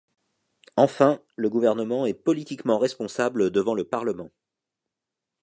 Enfin, le gouvernement est politiquement responsable devant le Parlement.